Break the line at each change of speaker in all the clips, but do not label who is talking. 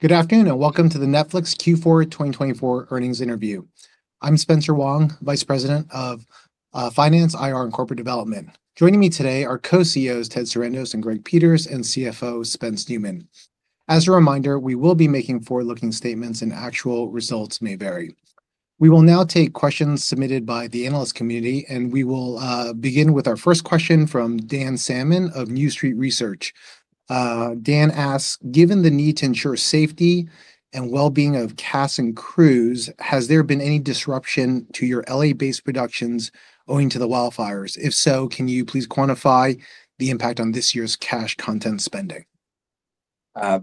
Good afternoon and welcome to the Netflix Q4 2024 earnings interview. I'm Spencer Wang, Vice President of Finance, IR, and Corporate Development. Joining me today are Co-CEOs Ted Sarandos and Greg Peters, and CFO Spencer Neumann. As a reminder, we will be making forward-looking statements, and actual results may vary. We will now take questions submitted by the analyst community, and we will begin with our first question from Dan Salmon of New Street Research. Dan asks, "Given the need to ensure safety and well-being of cast and crews, has there been any disruption to your LA-based productions owing to the wildfires? If so, can you please quantify the impact on this year's cash content spending?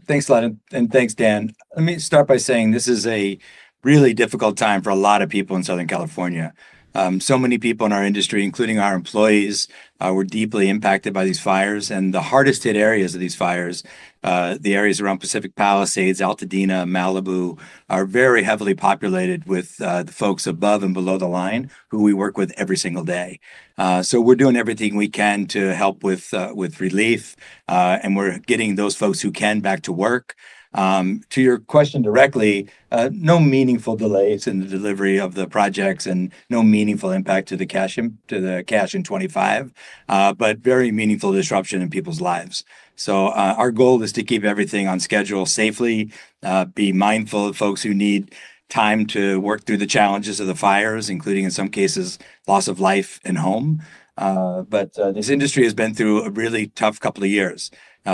Thanks, Spencer, and thanks, Dan. Let me start by saying this is a really difficult time for a lot of people in Southern California, so many people in our industry, including our employees, were deeply impacted by these fires, and the hardest hit areas of these fires, the areas around Pacific Palisades, Altadena, Malibu, are very heavily populated with the folks above and below the line who we work with every single day, so we're doing everything we can to help with relief, and we're getting those folks who can back to work. To your question directly, no meaningful delays in the delivery of the projects and no meaningful impact to the cash in 2025, but very meaningful disruption in people's lives. So our goal is to keep everything on schedule safely, be mindful of folks who need time to work through the challenges of the fires, including, in some cases, loss of life and home. But this industry has been through a really tough couple of years,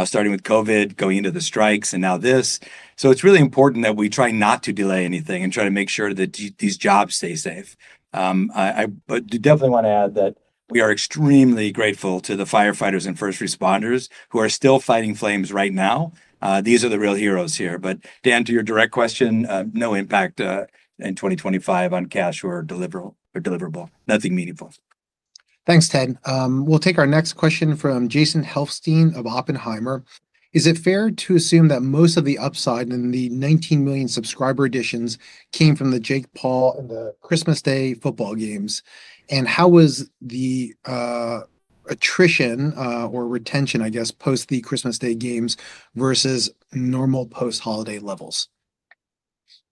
starting with COVID, going into the strikes, and now this. So it's really important that we try not to delay anything and try to make sure that these jobs stay safe. But I definitely want to add that we are extremely grateful to the firefighters and first responders who are still fighting flames right now. These are the real heroes here. But, Dan, to your direct question, no impact in 2025 on cash or deliverable. Nothing meaningful.
Thanks, Ted. We'll take our next question from Jason Helfstein of Oppenheimer. "Is it fair to assume that most of the upside in the 19 million subscriber additions came from the Jake Paul and the Christmas Day football games? And how was the attrition or retention, I guess, post the Christmas Day games versus normal post-holiday levels?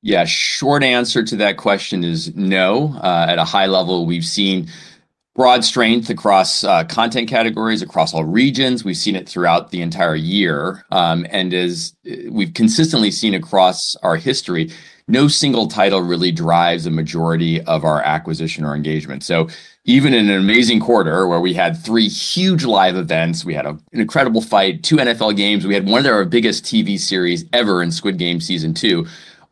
Yeah, short answer to that question is no. At a high level, we've seen broad strength across content categories, across all regions. We've seen it throughout the entire year, and as we've consistently seen across our history, no single title really drives a majority of our acquisition or engagement, so even in an amazing quarter where we had three huge live events, we had an incredible fight, two NFL games, we had one of our biggest TV series ever in Squid Game season two,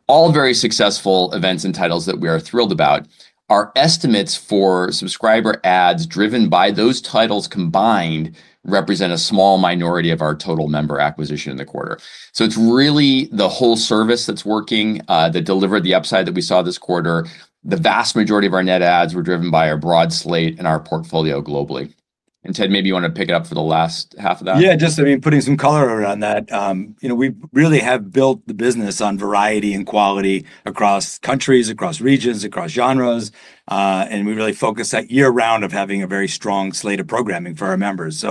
all very successful events and titles that we are thrilled about, our estimates for subscriber adds driven by those titles combined represent a small minority of our total member acquisition in the quarter, so it's really the whole service that's working that delivered the upside that we saw this quarter. The vast majority of our net adds were driven by our broad slate and our portfolio globally. And Ted, maybe you want to pick it up for the last half of that? Yeah, just, I mean, putting some color around that. You know, we really have built the business on variety and quality across countries, across regions, across genres, and we really focus that year-round of having a very strong slate of programming for our members.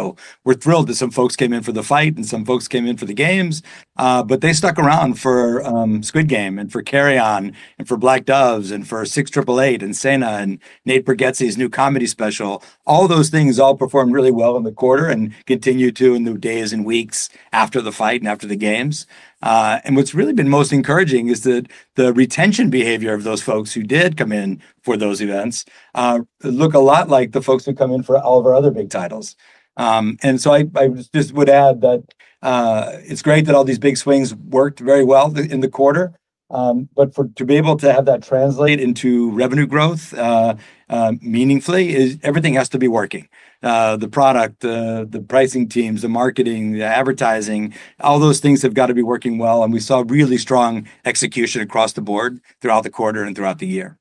We're thrilled that some folks came in for the fight and some folks came in for the games, but they stuck around for Squid Game and for Carry On and for Black Doves and for Six Triple Eight and Senna and Nate Bargatze's new comedy special. All those things performed really well in the quarter and continue to in the days and weeks after the fight and after the games.
And what's really been most encouraging is that the retention behavior of those folks who did come in for those events look a lot like the folks who come in for all of our other big titles. And so I just would add that it's great that all these big swings worked very well in the quarter. But to be able to have that translate into revenue growth meaningfully is everything has to be working. The product, the pricing teams, the marketing, the advertising, all those things have got to be working well. And we saw really strong execution across the board throughout the quarter and throughout the year.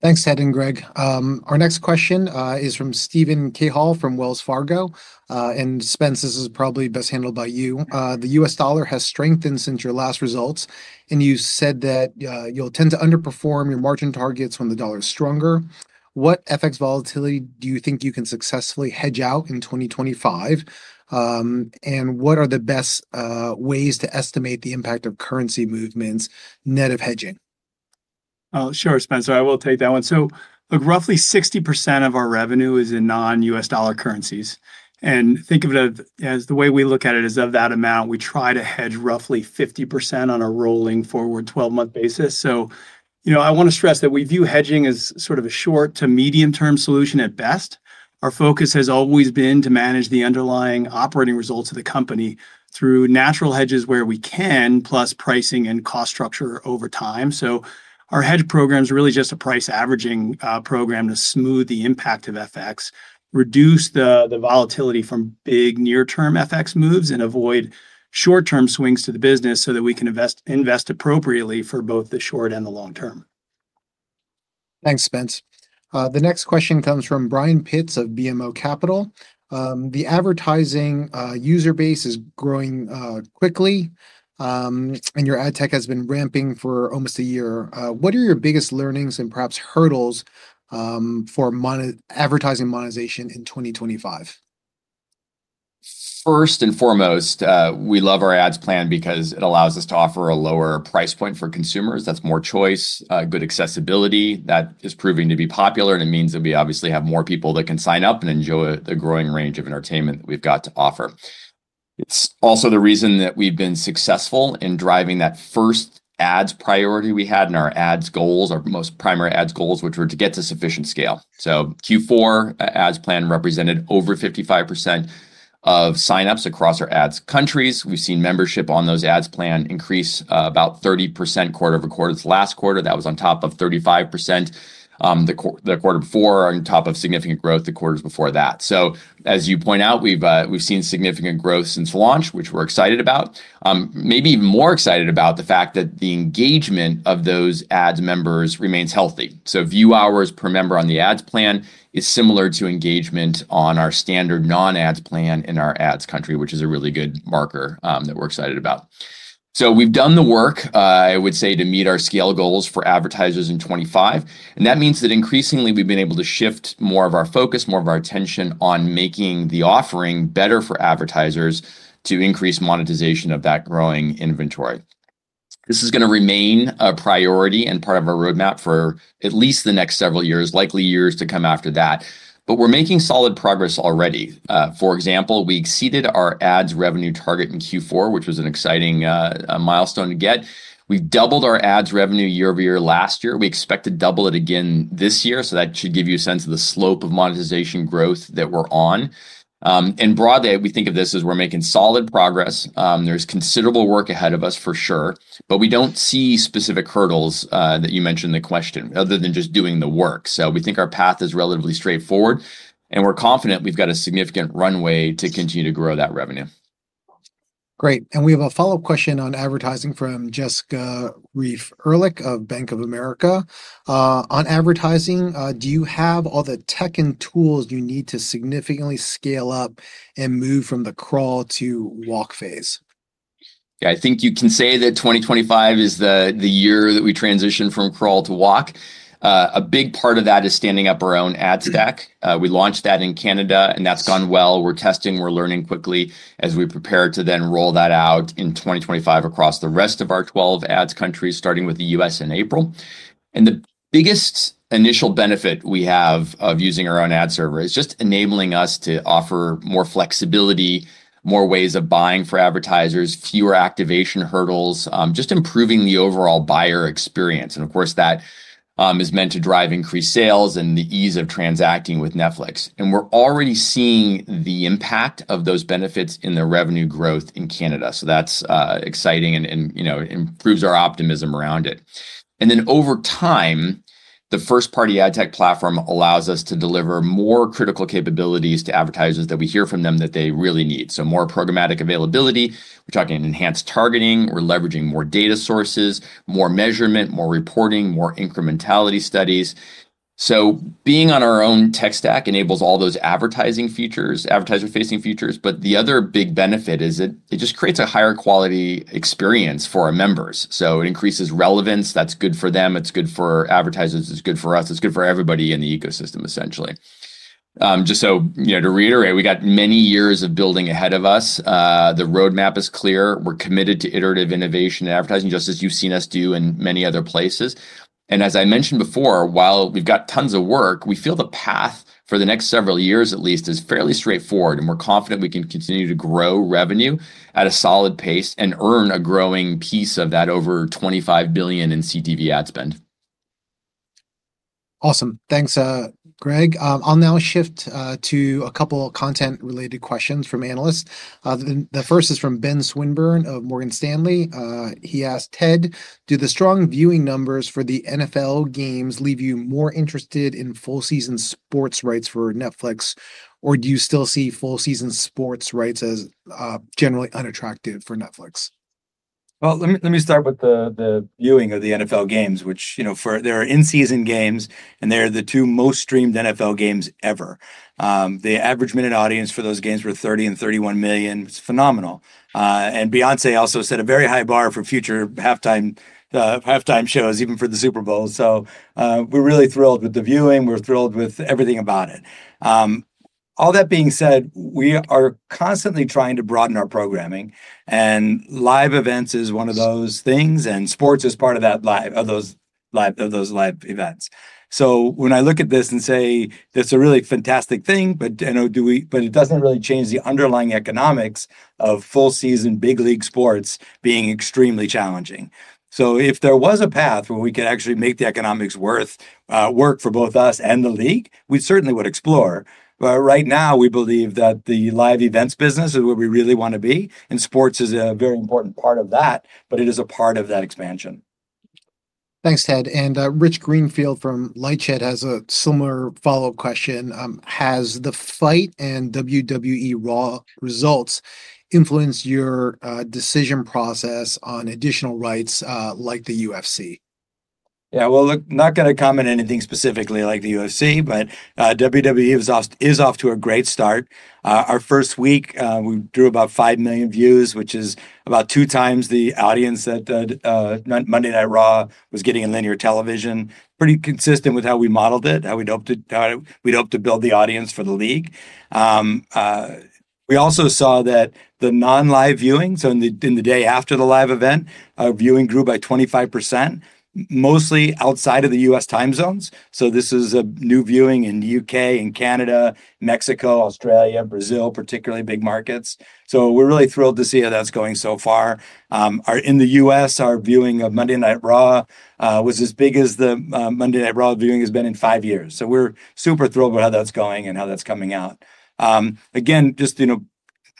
Thanks, Ted and Greg. Our next question is from Steven Cahill from Wells Fargo. And Spence, this is probably best handled by you. "The U.S. dollar has strengthened since your last results, and you said that you'll tend to underperform your margin targets when the dollar is stronger. What FX volatility do you think you can successfully hedge out in 2025? And what are the best ways to estimate the impact of currency movements net of hedging?
Sure, Spencer. I will take that one. So look, roughly 60% of our revenue is in non-U.S. dollar currencies. And think of it as the way we look at it is of that amount, we try to hedge roughly 50% on a rolling forward 12-month basis. So you know I want to stress that we view hedging as sort of a short to medium-term solution at best. Our focus has always been to manage the underlying operating results of the company through natural hedges where we can, plus pricing and cost structure over time. So our hedge program is really just a price averaging program to smooth the impact of FX, reduce the volatility from big near-term FX moves, and avoid short-term swings to the business so that we can invest appropriately for both the short and the long term.
Thanks, Spence. The next question comes from Brian Pitts of BMO Capital Markets. "The advertising user base is growing quickly, and your ad tech has been ramping for almost a year. What are your biggest learnings and perhaps hurdles for advertising monetization in 2025?
First and foremost, we love our ads plan because it allows us to offer a lower price point for consumers. That's more choice, good accessibility. That is proving to be popular, and it means that we obviously have more people that can sign up and enjoy the growing range of entertainment that we've got to offer. It's also the reason that we've been successful in driving that first ads priority we had in our ads goals, our most primary ads goals, which were to get to sufficient scale. So Q4 ads plan represented over 55% of signups across our ads countries. We've seen membership on those ads plan increase about 30% quarter over quarter. Last quarter, that was on top of 35%. The quarter before on top of significant growth the quarters before that. So as you point out, we've seen significant growth since launch, which we're excited about. Maybe even more excited about the fact that the engagement of those ads members remains healthy, so view hours per member on the ads plan is similar to engagement on our standard non-ads plan in our ads country, which is a really good marker that we're excited about, so we've done the work, I would say, to meet our scale goals for advertisers in 2025, and that means that increasingly we've been able to shift more of our focus, more of our attention on making the offering better for advertisers to increase monetization of that growing inventory. This is going to remain a priority and part of our roadmap for at least the next several years, likely years to come after that, but we're making solid progress already. For example, we exceeded our ads revenue target in Q4, which was an exciting milestone to get. We've doubled our ads revenue year over year last year. We expect to double it again this year. So that should give you a sense of the slope of monetization growth that we're on. And broadly, we think of this as we're making solid progress. There's considerable work ahead of us, for sure. But we don't see specific hurdles that you mentioned in the question other than just doing the work. So we think our path is relatively straightforward, and we're confident we've got a significant runway to continue to grow that revenue.
Great. And we have a follow-up question on advertising from Jessica Reif Ehrlich of Bank of America. "On advertising, do you have all the tech and tools you need to significantly scale up and move from the crawl to walk phase?
Yeah, I think you can say that 2025 is the year that we transition from crawl to walk. A big part of that is standing up our own ad stack. We launched that in Canada, and that's gone well. We're testing. We're learning quickly as we prepare to then roll that out in 2025 across the rest of our 12 ads countries, starting with the U.S. in April. And the biggest initial benefit we have of using our own ad server is just enabling us to offer more flexibility, more ways of buying for advertisers, fewer activation hurdles, just improving the overall buyer experience. And of course, that is meant to drive increased sales and the ease of transacting with Netflix. And we're already seeing the impact of those benefits in the revenue growth in Canada. So that's exciting and improves our optimism around it. And then over time, the first-party ad tech platform allows us to deliver more critical capabilities to advertisers that we hear from them that they really need. So more programmatic availability. We're talking enhanced targeting. We're leveraging more data sources, more measurement, more reporting, more incrementality studies. So being on our own tech stack enables all those advertising features, advertiser-facing features. But the other big benefit is it just creates a higher quality experience for our members. So it increases relevance. That's good for them. It's good for advertisers. It's good for us. It's good for everybody in the ecosystem, essentially. Just so to reiterate, we got many years of building ahead of us. The roadmap is clear. We're committed to iterative innovation in advertising, just as you've seen us do in many other places. And as I mentioned before, while we've got tons of work, we feel the path for the next several years, at least, is fairly straightforward. And we're confident we can continue to grow revenue at a solid pace and earn a growing piece of that over $25 billion in CTV ad spend.
Awesome. Thanks, Greg. I'll now shift to a couple of content-related questions from analysts. The first is from Ben Swinburne of Morgan Stanley. He asked, "Ted, do the strong viewing numbers for the NFL games leave you more interested in full-season sports rights for Netflix? Or do you still see full-season sports rights as generally unattractive for Netflix?
Let me start with the viewing of the NFL games, which there are in-season games, and they're the two most-streamed NFL games ever. The average minute audience for those games were 30 and 31 million. It's phenomenal. Beyoncé also set a very high bar for future halftime shows, even for the Super Bowl. We're really thrilled with the viewing. We're thrilled with everything about it. All that being said, we are constantly trying to broaden our programming. Live events is one of those things. Sports is part of those live events. When I look at this and say, "That's a really fantastic thing," but it doesn't really change the underlying economics of full-season big league sports being extremely challenging. If there was a path where we could actually make the economics work for both us and the league, we certainly would explore. But right now, we believe that the live events business is what we really want to be. And sports is a very important part of that, but it is a part of that expansion.
Thanks, Ted, and Rich Greenfield from LightShed has a similar follow-up question. "Has the fight and WWE Raw results influenced your decision process on additional rights like the UFC?
Yeah, well, look, not going to comment on anything specifically like the UFC, but WWE is off to a great start. Our first week, we drew about five million views, which is about two times the audience that Monday Night Raw was getting in linear television. Pretty consistent with how we modeled it, how we'd hoped to build the audience for the league. We also saw that the non-live viewing, so in the day after the live event, our viewing grew by 25%, mostly outside of the US time zones. So this is a new viewing in the UK and Canada, Mexico, Australia, Brazil, particularly big markets. So we're really thrilled to see how that's going so far. In the US, our viewing of Monday Night Raw was as big as the Monday Night Raw viewing has been in five years. So we're super thrilled with how that's going and how that's coming out. Again, just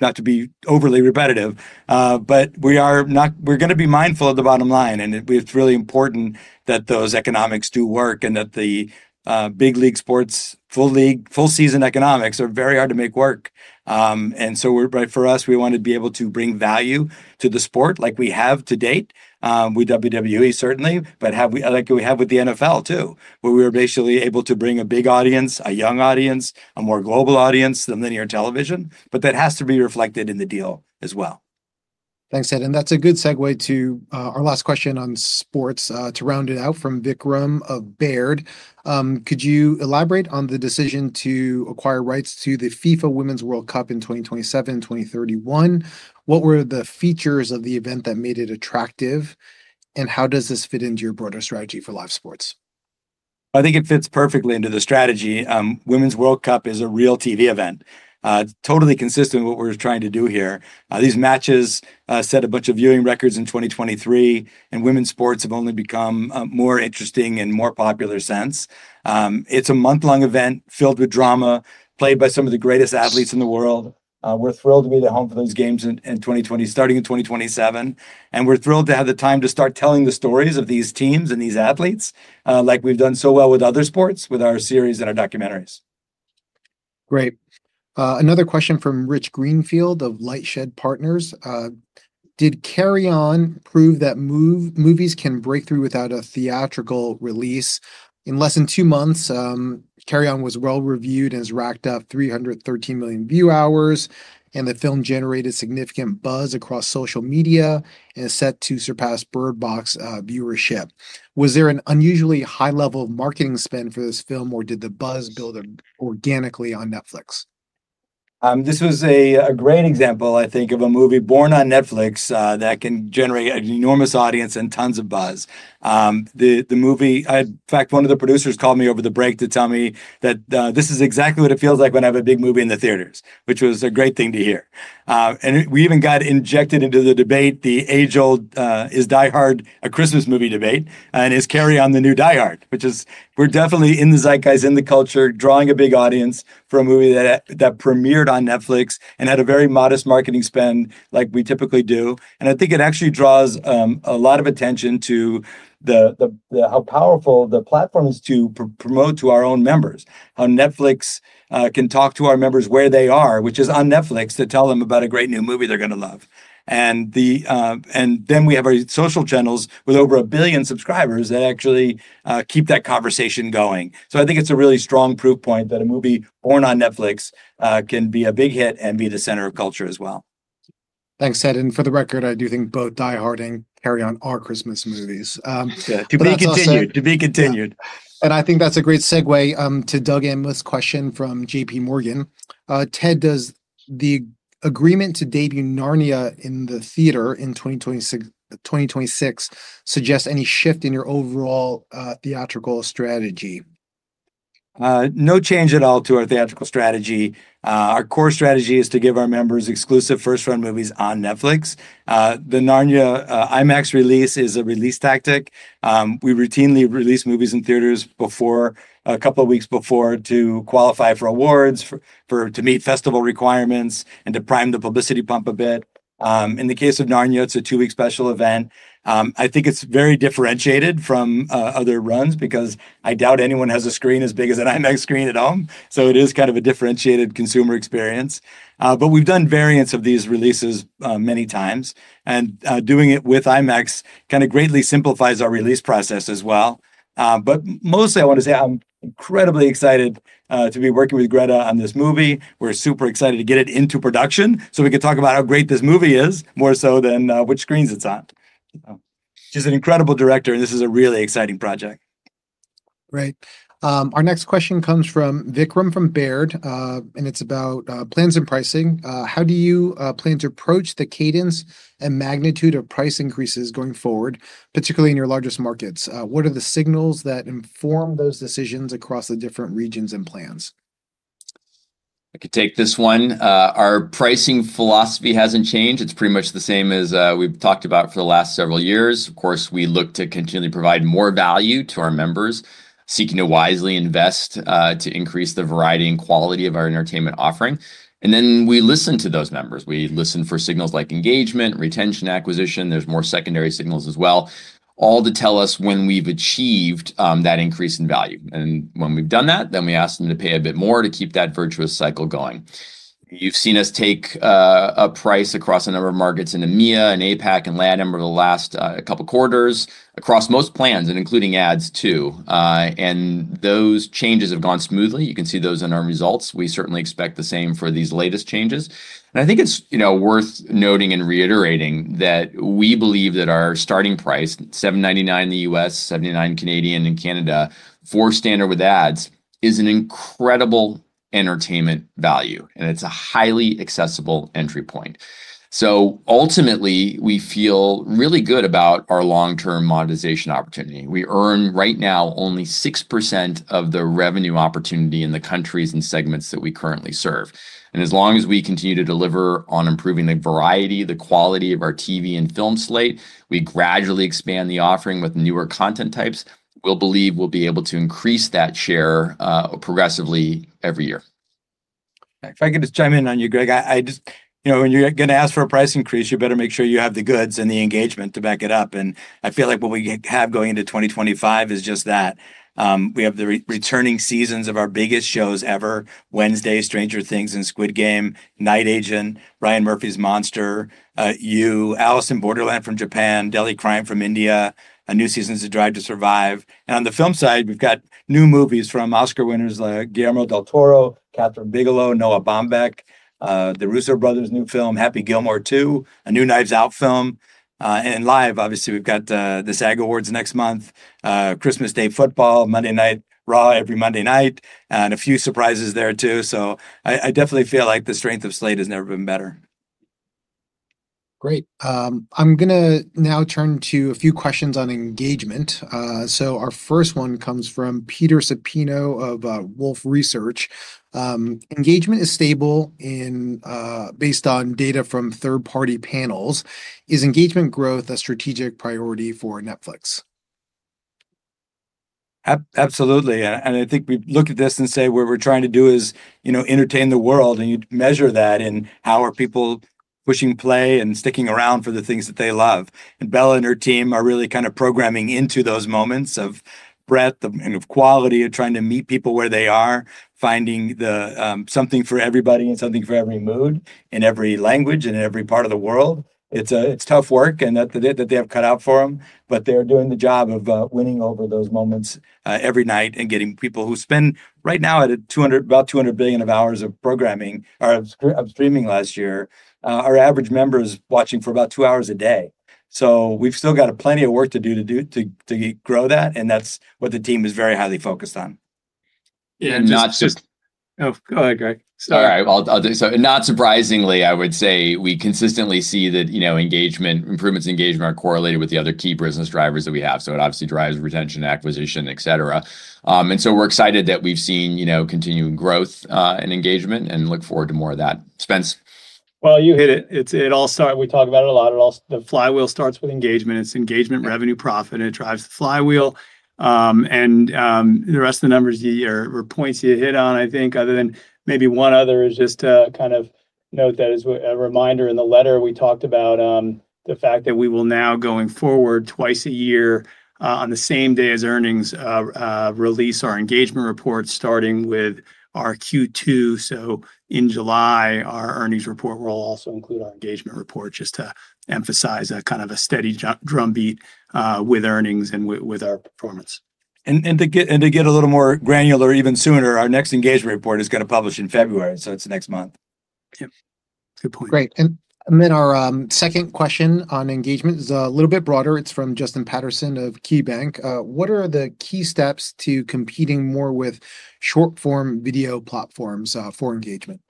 not to be overly repetitive, but we're going to be mindful of the bottom line. And it's really important that those economics do work and that the big league sports, full-season economics are very hard to make work. And so for us, we want to be able to bring value to the sport like we have to date, with WWE, certainly, but like we have with the NFL, too, where we were basically able to bring a big audience, a young audience, a more global audience than linear television. But that has to be reflected in the deal as well.
Thanks, Ted. And that's a good segue to our last question on sports. To round it out, from Vikram of Baird, "Could you elaborate on the decision to acquire rights to the FIFA Women's World Cup in 2027-2031? What were the features of the event that made it attractive? And how does this fit into your broader strategy for live sports?
I think it fits perfectly into the strategy. Women's World Cup is a real TV event, totally consistent with what we're trying to do here. These matches set a bunch of viewing records in 2023, and women's sports have only become more interesting and more popular since. It's a month-long event filled with drama, played by some of the greatest athletes in the world. We're thrilled to be at home for those games in 2020, starting in 2027, and we're thrilled to have the time to start telling the stories of these teams and these athletes like we've done so well with other sports, with our series and our documentaries.
Great. Another question from Rich Greenfield of LightShed Partners. "Did Carry On prove that movies can break through without a theatrical release? In less than two months, Carry On was well-reviewed and has racked up 313 million view hours. And the film generated significant buzz across social media and is set to surpass Bird Box viewership. Was there an unusually high level of marketing spend for this film, or did the buzz build organically on Netflix?
This was a great example, I think, of a movie born on Netflix that can generate an enormous audience and tons of buzz. In fact, one of the producers called me over the break to tell me that this is exactly what it feels like when I have a big movie in the theaters, which was a great thing to hear. And we even got injected into the debate, the age-old, "Is Die Hard a Christmas movie?" debate, and is Carry On the new Die Hard, which is we're definitely in the zeitgeist, in the culture, drawing a big audience for a movie that premiered on Netflix and had a very modest marketing spend like we typically do. And I think it actually draws a lot of attention to how powerful the platform is to promote to our own members, how Netflix can talk to our members where they are, which is on Netflix, to tell them about a great new movie they're going to love. And then we have our social channels with over a billion subscribers that actually keep that conversation going. So I think it's a really strong proof point that a movie born on Netflix can be a big hit and be the center of culture as well.
Thanks, Ted. And for the record, I do think both Die Hard and Carry On are Christmas movies.
To be continued.
I think that's a great segue to Doug Anmuth question from J.P. Morgan. "Ted, does the agreement to debut Narnia in the theater in 2026 suggest any shift in your overall theatrical strategy?
No change at all to our theatrical strategy. Our core strategy is to give our members exclusive first-run movies on Netflix. The Narnia IMAX release is a release tactic. We routinely release movies in theaters a couple of weeks before to qualify for awards, to meet festival requirements, and to prime the publicity pump a bit. In the case of Narnia, it's a two-week special event. I think it's very differentiated from other runs because I doubt anyone has a screen as big as an IMAX screen at home. So it is kind of a differentiated consumer experience, but we've done variants of these releases many times, and doing it with IMAX kind of greatly simplifies our release process as well, but mostly, I want to say I'm incredibly excited to be working with Greta on this movie. We're super excited to get it into production so we can talk about how great this movie is, more so than which screens it's on. She's an incredible director, and this is a really exciting project.
Great. Our next question comes from Vikram from Baird, and it's about plans and pricing. "How do you plan to approach the cadence and magnitude of price increases going forward, particularly in your largest markets? What are the signals that inform those decisions across the different regions and plans?
I could take this one. Our pricing philosophy hasn't changed. It's pretty much the same as we've talked about for the last several years. Of course, we look to continually provide more value to our members, seeking to wisely invest to increase the variety and quality of our entertainment offering. And then we listen to those members. We listen for signals like engagement, retention, acquisition. There's more secondary signals as well, all to tell us when we've achieved that increase in value. And when we've done that, then we ask them to pay a bit more to keep that virtuous cycle going. You've seen us take a price across a number of markets in EMEA and APAC and LATAM over the last couple of quarters across most plans, including ads, too. And those changes have gone smoothly. You can see those in our results. We certainly expect the same for these latest changes. And I think it's worth noting and reiterating that we believe that our starting price, $7.99 in the U.S., $7.99 in Canada for standard with ads, is an incredible entertainment value. And it's a highly accessible entry point. So ultimately, we feel really good about our long-term monetization opportunity. We earn right now only 6% of the revenue opportunity in the countries and segments that we currently serve. And as long as we continue to deliver on improving the variety, the quality of our TV and film slate, we gradually expand the offering with newer content types, we'll believe we'll be able to increase that share progressively every year.
If I could just chime in on you, Greg, when you're going to ask for a price increase, you better make sure you have the goods and the engagement to back it up. And I feel like what we have going into 2025 is just that. We have the returning seasons of our biggest shows ever: Wednesday, Stranger Things, and Squid Game, Night Agent, Ryan Murphy's Monster, You, Alice in Borderland from Japan, Delhi Crime from India, a new season of the Drive to Survive. And on the film side, we've got new movies from Oscar winners like Guillermo del Toro, Kathryn Bigelow, Noah Baumbach, the Russo Brothers' new film, Happy Gilmore 2, a new Knives Out film. And live, obviously, we've got the SAG Awards next month, Christmas Day Football, Monday Night Raw every Monday night, and a few surprises there, too. So I definitely feel like the strength of Slate has never been better. Great. I'm going to now turn to a few questions on engagement. So our first one comes from Peter Supino of Wolfe Research. "Engagement is stable based on data from third-party panels. Is engagement growth a strategic priority for Netflix?
Absolutely. And I think we look at this and say what we're trying to do is entertain the world. And you measure that in how are people pushing play and sticking around for the things that they love. And Bela and her team are really kind of programming into those moments of breadth and of quality, trying to meet people where they are, finding something for everybody and something for every mood and every language and every part of the world. It's tough work and that they have cut out for them. But they're doing the job of winning over those moments every night and getting people who spend right now at about 200 billion hours of programming or of streaming last year. Our average member is watching for about two hours a day. So we've still got plenty of work to do to grow that. That's what the team is very highly focused on.
And not just.
Oh, go ahead, Greg.
Sorry.
All right. So not surprisingly, I would say we consistently see that improvements in engagement are correlated with the other key business drivers that we have. So it obviously drives retention, acquisition, et cetera. And so we're excited that we've seen continued growth and engagement and look forward to more of that. Spence?
You hit it. We talk about it a lot. The flywheel starts with engagement. It's engagement, revenue, profit, and it drives the flywheel. And the rest of the numbers are points you hit on, I think, other than maybe one other is just to kind of note that as a reminder in the letter, we talked about the fact that we will now, going forward, twice a year on the same day as earnings, release our engagement reports starting with our Q2. So in July, our earnings report will also include our engagement report just to emphasize that kind of a steady drumbeat with earnings and with our performance.
To get a little more granular, even sooner, our next engagement report is going to publish in February. It's next month.
Yep. Good point. Great. And then our second question on engagement is a little bit broader. It's from Justin Patterson of KeyBanc. "What are the key steps to competing more with short-form video platforms for engagement?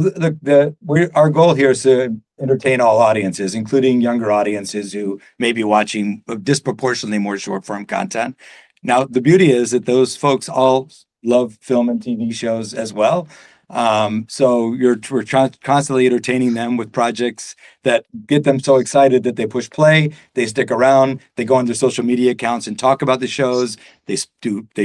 Our goal here is to entertain all audiences, including younger audiences who may be watching disproportionately more short-form content. Now, the beauty is that those folks all love film and TV shows as well. So we're constantly entertaining them with projects that get them so excited that they push play, they stick around, they go on their social media accounts and talk about the shows. They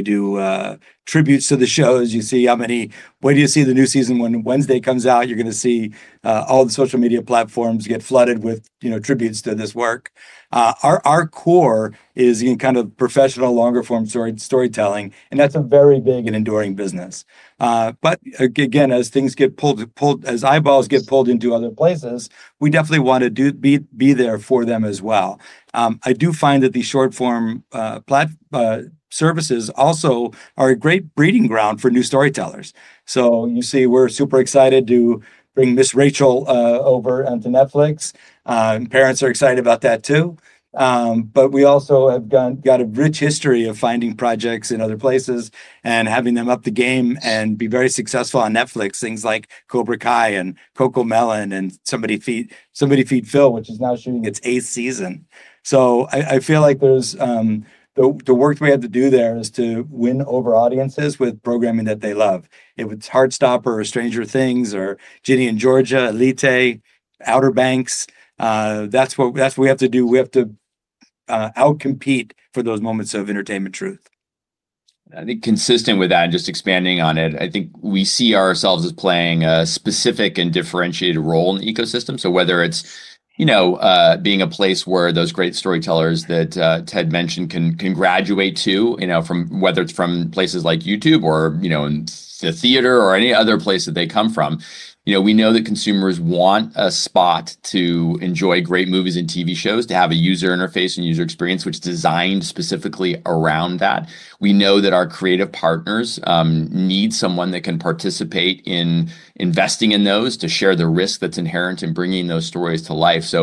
do tributes to the shows. You see how, when the new season of Wednesday comes out, you're going to see all the social media platforms get flooded with tributes to this work. Our core is kind of professional longer-form storytelling. And that's a very big and enduring business. But again, as things get pulled, as eyeballs get pulled into other places, we definitely want to be there for them as well. I do find that the short-form services also are a great breeding ground for new storytellers. So you see, we're super excited to bring Ms. Rachel over onto Netflix. Parents are excited about that, too. But we also have got a rich history of finding projects in other places and having them up the game and be very successful on Netflix, things like Cobra Kai and CoComelon and Somebody Feed Phil, which is now shooting its eighth season. So I feel like the work we have to do there is to win over audiences with programming that they love. If it's Heartstopper or Stranger Things or Ginny & Georgia, Elite, Outer Banks, that's what we have to do. We have to outcompete for those moments of entertainment truth.
I think consistent with that and just expanding on it, I think we see ourselves as playing a specific and differentiated role in the ecosystem. Whether it's being a place where those great storytellers that Ted mentioned can graduate to, whether it's from places like YouTube or the theater or any other place that they come from, we know that consumers want a spot to enjoy great movies and TV shows, to have a user interface and user experience which is designed specifically around that. We know that our creative partners need someone that can participate in investing in those to share the risk that's inherent in bringing those stories to life.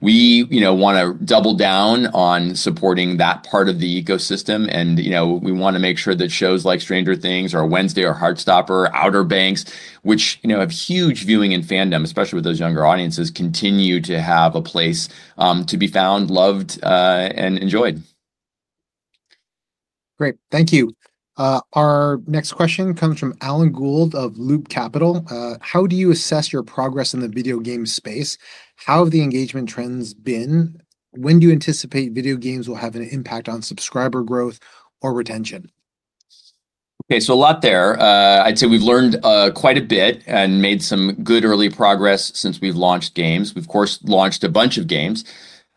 We want to double down on supporting that part of the ecosystem. And we want to make sure that shows like Stranger Things or Wednesday or Heartstopper, Outer Banks, which have huge viewing and fandom, especially with those younger audiences, continue to have a place to be found, loved, and enjoyed. Great. Thank you. Our next question comes from Alan Gould of Loop Capital. "How do you assess your progress in the video game space? How have the engagement trends been? When do you anticipate video games will have an impact on subscriber growth or retention?
Okay. So a lot there. I'd say we've learned quite a bit and made some good early progress since we've launched games. We, of course, launched a bunch of games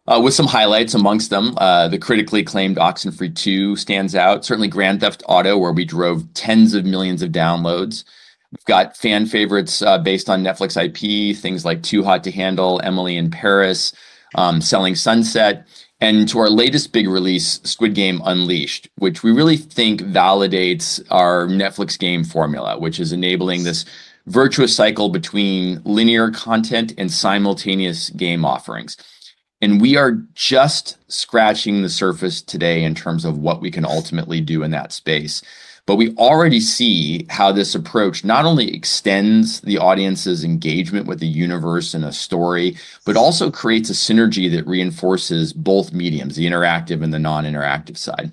with some highlights among them. The critically acclaimed Oxenfree 2 stands out, certainly Grand Theft Auto, where we drove tens of millions of downloads. We've got fan favorites based on Netflix IP, things like Too Hot to Handle, Emily in Paris, Selling Sunset. And to our latest big release, Squid Game Unleashed, which we really think validates our Netflix game formula, which is enabling this virtuous cycle between linear content and simultaneous game offerings. And we are just scratching the surface today in terms of what we can ultimately do in that space. But we already see how this approach not only extends the audience's engagement with the universe and a story, but also creates a synergy that reinforces both mediums, the interactive and the non-interactive side.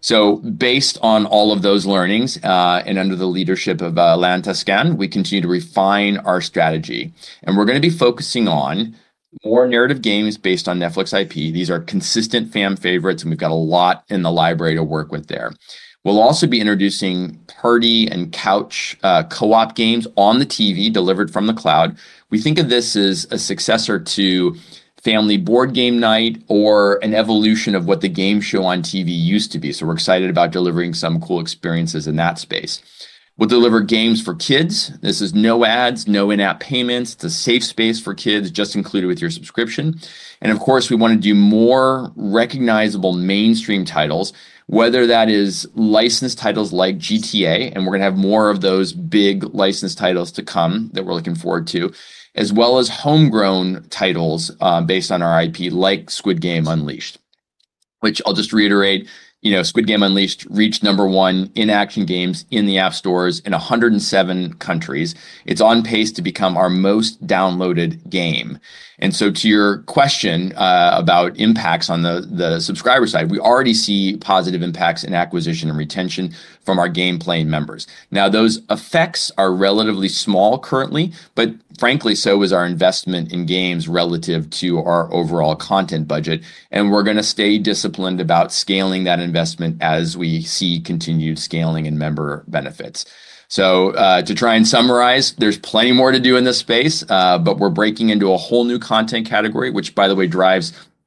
So based on all of those learnings and under the leadership of Alain Tascan, we continue to refine our strategy. And we're going to be focusing on more narrative games based on Netflix IP. These are consistent fan favorites. And we've got a lot in the library to work with there. We'll also be introducing Party and Couch co-op games on the TV delivered from the cloud. We think of this as a successor to Family Board Game Night or an evolution of what the game show on TV used to be. So we're excited about delivering some cool experiences in that space. We'll deliver games for kids. This is no ads, no in-app payments. It's a safe space for kids just included with your subscription. And of course, we want to do more recognizable mainstream titles, whether that is licensed titles like GTA, and we're going to have more of those big licensed titles to come that we're looking forward to, as well as homegrown titles based on our IP like Squid Game Unleashed, which I'll just reiterate, Squid Game Unleashed reached number one in action games in the app stores in 107 countries. It's on pace to become our most downloaded game. And so to your question about impacts on the subscriber side, we already see positive impacts in acquisition and retention from our game-playing members. Now, those effects are relatively small currently, but frankly, so is our investment in games relative to our overall content budget. And we're going to stay disciplined about scaling that investment as we see continued scaling and member benefits. So to try and summarize, there's plenty more to do in this space, but we're breaking into a whole new content category, which, by the way,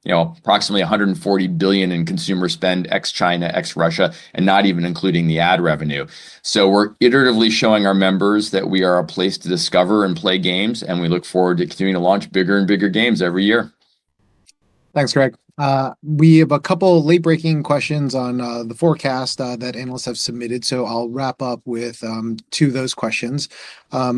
drives approximately $140 billion in consumer spend ex-China, ex-Russia, and not even including the ad revenue. So we're iteratively showing our members that we are a place to discover and play games. And we look forward to continuing to launch bigger and bigger games every year.
Thanks, Greg. We have a couple of late-breaking questions on the forecast that analysts have submitted. So I'll wrap up with two of those questions.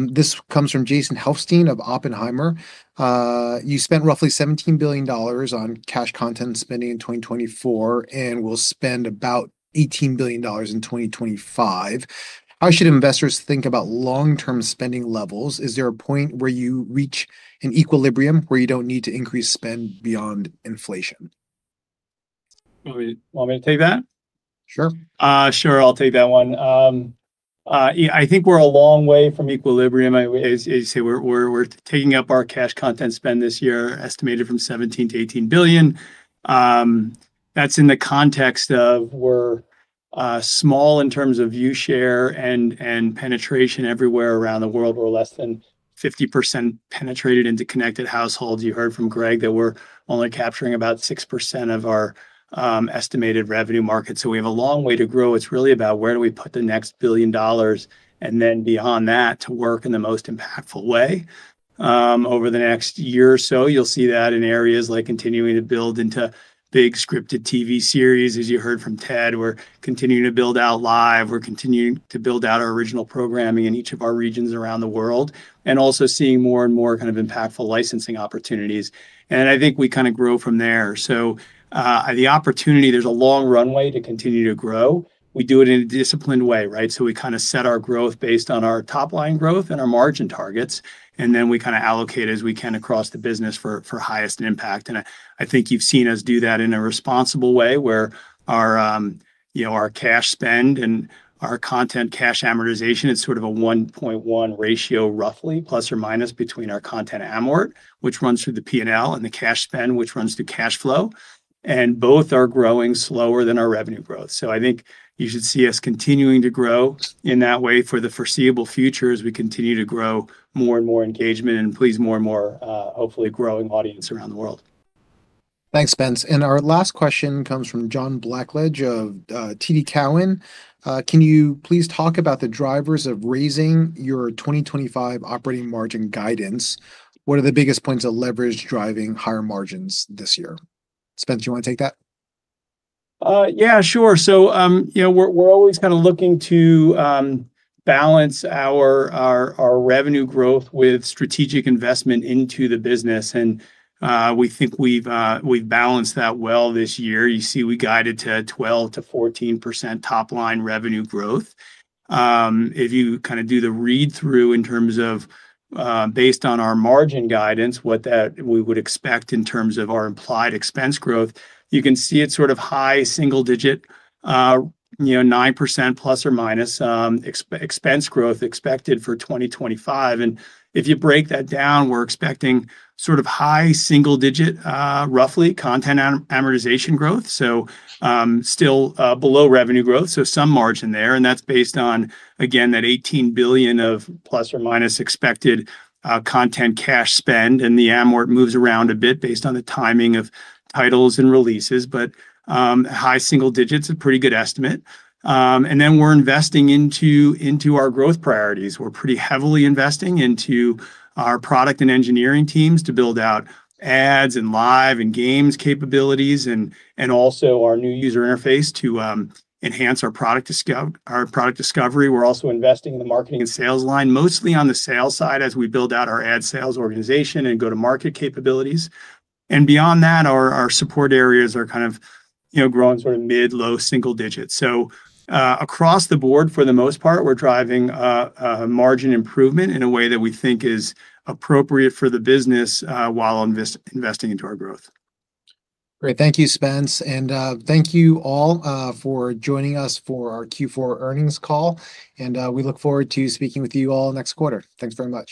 This comes from Jason Helfstein of Oppenheimer. "You spent roughly $17 billion on cash content spending in 2024 and will spend about $18 billion in 2025. How should investors think about long-term spending levels? Is there a point where you reach an equilibrium where you don't need to increase spend beyond inflation?
Want me to take that?
Sure.
Sure. I'll take that one. I think we're a long way from equilibrium. As you say, we're taking up our cash content spend this year, estimated at $17 billion-$18 billion. That's in the context of we're small in terms of view share and penetration everywhere around the world. We're less than 50% penetrated into connected households. You heard from Greg that we're only capturing about 6% of our estimated revenue market. So we have a long way to grow. It's really about where do we put the next billion dollars and then beyond that to work in the most impactful way over the next year or so. You'll see that in areas like continuing to build into big scripted TV series, as you heard from Ted, we're continuing to build out live. We're continuing to build out our original programming in each of our regions around the world and also seeing more and more kind of impactful licensing opportunities. And I think we kind of grow from there. So the opportunity, there's a long runway to continue to grow. We do it in a disciplined way, right? So we kind of set our growth based on our top-line growth and our margin targets. And then we kind of allocate as we can across the business for highest impact. And I think you've seen us do that in a responsible way where our cash spend and our content cash amortization is sort of a 1.1 ratio roughly, plus or minus, between our content amort, which runs through the P&L, and the cash spend, which runs through cash flow. And both are growing slower than our revenue growth. So I think you should see us continuing to grow in that way for the foreseeable future as we continue to grow more and more engagement and please more and more, hopefully, growing audience around the world.
Thanks, Spence. And our last question comes from John Blackledge of TD Cowen. "Can you please talk about the drivers of raising your 2025 operating margin guidance? What are the biggest points of leverage driving higher margins this year?" Spence, do you want to take that?
Yeah, sure. So we're always kind of looking to balance our revenue growth with strategic investment into the business. And we think we've balanced that well this year. You see, we guided to 12%-14% top-line revenue growth. If you kind of do the read-through in terms of based on our margin guidance, what that we would expect in terms of our implied expense growth, you can see it's sort of high single-digit, 9% plus or minus expense growth expected for 2025. And if you break that down, we're expecting sort of high single-digit, roughly, content amortization growth. So still below revenue growth, so some margin there. And that's based on, again, that $18 billion plus or minus expected content cash spend. And the amort moves around a bit based on the timing of titles and releases. But high single digits, a pretty good estimate. Then we're investing into our growth priorities. We're pretty heavily investing into our product and engineering teams to build out ads and live and games capabilities and also our new user interface to enhance our product discovery. We're also investing in the marketing and sales line, mostly on the sales side as we build out our ad sales organization and go-to-market capabilities. Beyond that, our support areas are kind of growing sort of mid- to low-single digits. Across the board, for the most part, we're driving margin improvement in a way that we think is appropriate for the business while investing into our growth.
Great. Thank you, Spence. And thank you all for joining us for our Q4 earnings call. And we look forward to speaking with you all next quarter. Thanks very much.